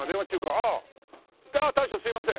ああ大将すみません。